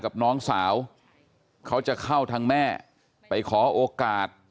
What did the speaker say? กับน้องสาวเขาจะเข้าทางแม่ไปขอโอกาส